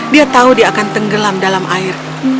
dia tahu dia akan tenggelam dalam air